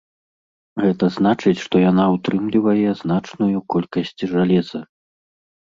Гэта значыць, што яна ўтрымлівае значную колькасць жалеза.